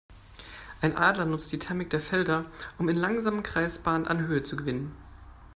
Ein Adler nutzt die Thermik der Felder, um in langsamen Kreisbahnen an Höhe zu gewinnen.